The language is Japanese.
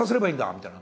みたいな。